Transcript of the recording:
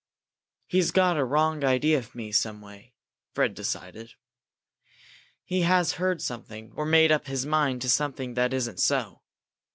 "He's got a wrong idea of me, some way," Fred decided. "He has heard something, or made up his mind to something that isn't so.